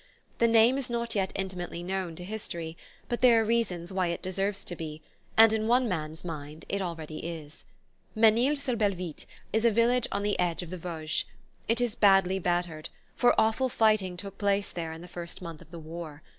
The name is not yet intimately known to history, but there are reasons why it deserves to be, and in one man's mind it already is. Menil sur Belvitte is a village on the edge of the Vosges. It is badly battered, for awful fighting took place there in the first month of the war.